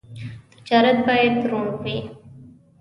تجارت باید روڼ وي.